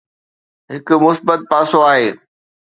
هڪ مثبت پاسو آهي.